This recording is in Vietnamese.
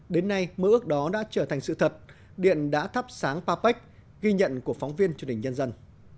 đến nay mơ ước đó đã trở thành sự thật điện đã thắp sáng papec ghi nhận của phóng viên truyền hình nhân dân